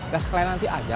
gak sekalian nanti aja